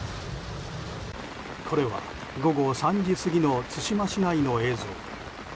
これは午後３時過ぎの対馬市内の映像。